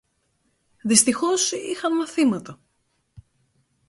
Δυστυχώς είχαν μαθήματα!